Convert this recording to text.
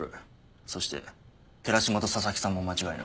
そして寺島と佐々木さんも間違いない。